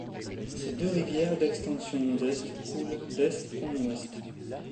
Ces deux rivières, d'extension modeste, coulent d'est en ouest.